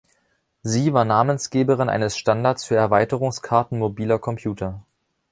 Sie war Namensgeberin eines Standards für Erweiterungskarten mobiler Computer.